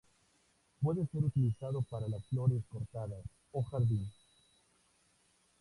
Puede ser utilizado para las flores cortadas, o jardín.